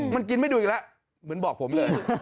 มันกินไม่ดูอีกแล้วเหมือนบอกผมเลย